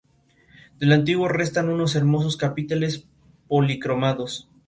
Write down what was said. Del antiguo restan unos hermosos capiteles policromados.